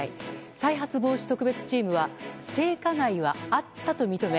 再発防止特別チームは性加害はあったと認め